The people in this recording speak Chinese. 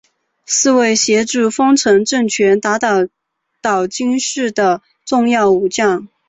是为协助丰臣政权打倒岛津氏的重要武将。